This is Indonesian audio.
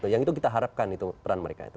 yang itu kita harapkan itu peran mereka itu